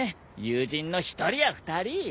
友人の１人や２人。